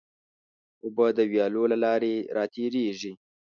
اوبه د ویالو له لارې راتېرېږي.